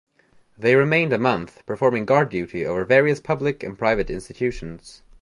They remained a month performing guard duty over various public and private institutions.